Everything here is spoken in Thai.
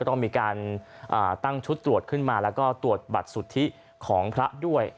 ต้องมีการตั้งชุดตรวจขึ้นมาแล้วก็ตรวจบัตรสุทธิของพระด้วย